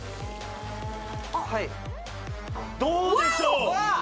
はいどうでしょう？